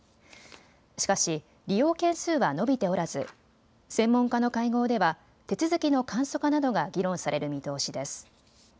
しかし利用件数は伸びておらず専門家の会合では手続きの簡素化などが議論される見通しです。